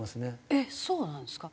えっそうなんですか？